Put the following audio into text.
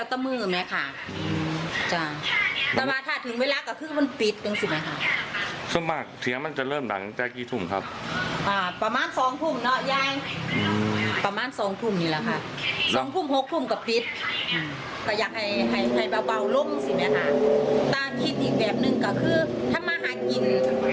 ถ้าคิดอีกแบบหนึ่งก็คือถ้ามาหากินก็เห็นใจซึ่งกันและกัน